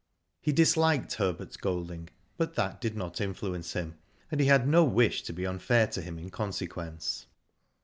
He disliked Herbert Golding, but that did not influence him, and he had no wish to be unfair to him in consequence.